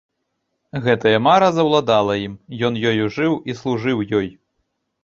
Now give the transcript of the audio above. Гэтая мара заўладала ім, ён ёю жыў і служыў ёй.